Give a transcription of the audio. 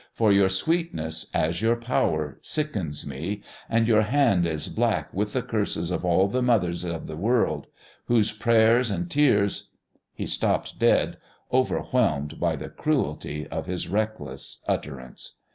For your sweetness, as your power, sickens me; and your hand is black with the curses of all the mothers in the world, whose prayers and tears " He stopped dead, overwhelmed by the cruelty of his reckless utterance.